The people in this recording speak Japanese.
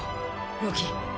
ロキ。